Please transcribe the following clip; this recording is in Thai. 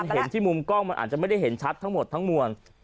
เห็นที่มุมกล้องอร์มีไม่แผนเห็นชัดทั้งหมดทั้งม่วง